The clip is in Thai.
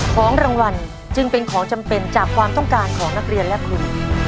ของรางวัลจึงเป็นของจำเป็นจากความต้องการของนักเรียนและคุณ